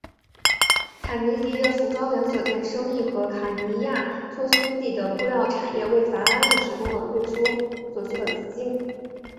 塔迪尼的服装连锁店生意和卡尼亚托兄弟的布料产业为法拉利提供了最初所需的资金。